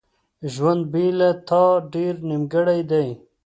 ژوند بیله تا ډیر نیمګړی دی.